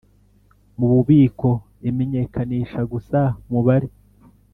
Mu bubiko imenyekanisha gusa umubare